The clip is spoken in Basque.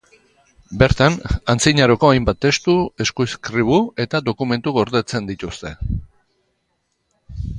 Bertan, antzinaroko hainbat testu, eskuizkribu eta dokumentu gordetzen dituzte.